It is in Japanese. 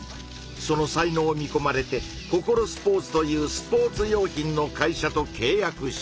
その才能を見こまれてココロスポーツというスポーツ用品の会社とけい約した。